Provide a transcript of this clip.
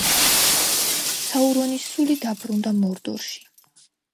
საურონის სული დაბრუნდა მორდორში.